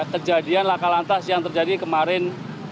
kejadian laka lantas yang terjadi kemarin